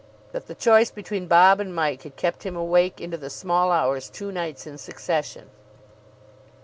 But the choice between Bob and Mike had kept him awake into the small hours two nights in succession.